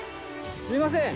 すいません！